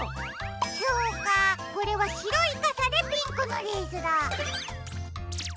そうかこれはしろいかさでピンクのレースだ。